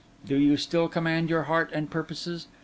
Do you still command your heart and purposes?